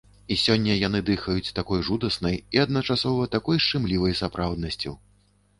І сёння яны дыхаюць такой жудаснай і адначасова такой шчымлівай сапраўднасцю!